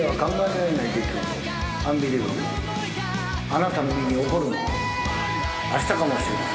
あなたの身に起こるのはあしたかもしれません。